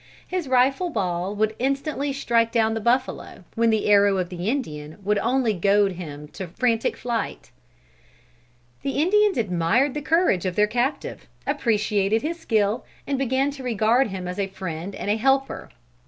His rifle ball would instantly strike down the buffalo, when the arrow of the Indian would only goad him to frantic flight. The Indians admired the courage of their captive, appreciated his skill, and began to regard him as a friend and a helper.